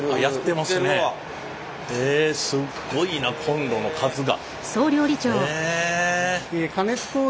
へえすごいなコンロの数が。